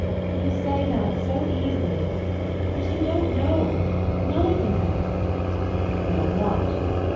"You say that so easily! But you don't know; none of you know." "Know what?"